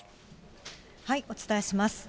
お伝えします。